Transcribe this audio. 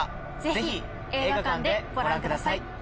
ぜひ映画館でご覧ください。